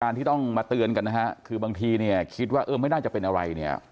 ที่ต้องมาเตือนกันนะฮะคือบางทีเนี่ยคิดว่าเออไม่น่าจะเป็นอะไรเนี่ย